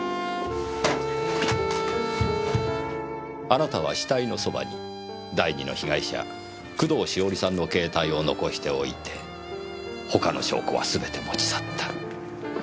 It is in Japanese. あなたは死体のそばに第２の被害者工藤しおりさんの携帯を残しておいて他の証拠はすべて持ち去った。